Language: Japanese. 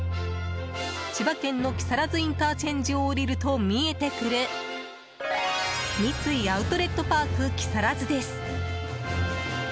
千葉県の木更津ＩＣを降りると見えてくる三井アウトレットパーク木更津です。